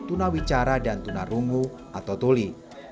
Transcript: tunawicara dan tunarungu atau tuli